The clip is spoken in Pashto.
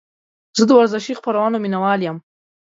زه د ورزشي خپرونو مینهوال یم.